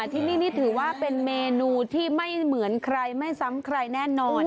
ที่นี่นี่ถือว่าเป็นเมนูที่ไม่เหมือนใครไม่ซ้ำใครแน่นอน